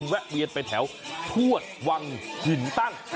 แวะเวียนไปแถวทวดวังหินตั้ง